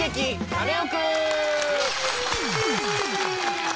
カネオくん」！